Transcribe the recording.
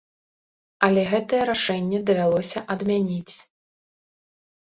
Але гэтае рашэнне давялося адмяніць.